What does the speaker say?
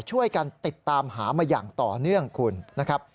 ช่วยกันติดตามหามาอย่างต่อเนื่องคุณนะครับ